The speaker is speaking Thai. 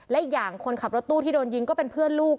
และอีกอย่างคนขับรถตู้ที่โดนยิงก็เป็นเพื่อนลูก